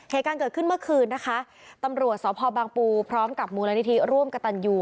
เหตุการณ์เกิดขึ้นเมื่อคืนนะคะตำรวจสพบางปูพร้อมกับมูลนิธิร่วมกระตันยู